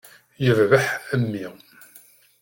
Yirbeḥ a mmi.